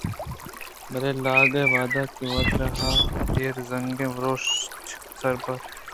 بلے لاگ ءِ واہُند کہ وت آہیزگیں روچ ءِ سرا اَت